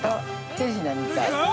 ◆手品みたい。